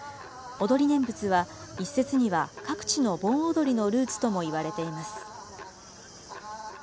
踊り念仏は一説には各地の盆踊りのルーツともいわれています。